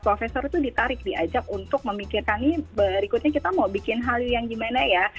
profesor itu ditarik diajak untuk memikirkan nih berikutnya kita mau bikin hallyu yang gimana ya